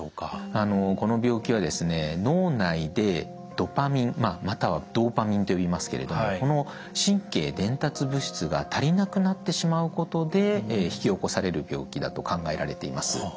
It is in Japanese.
この病気は脳内でドパミンまたはドーパミンといいますけれどもこの神経伝達物質が足りなくなってしまうことで引き起こされる病気だと考えられています。